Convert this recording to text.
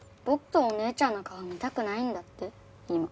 僕とお姉ちゃんの顔見たくないんだって今。